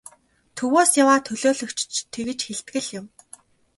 Төвөөс яваа төлөөлөгчид ч тэгж хэлдэг л юм.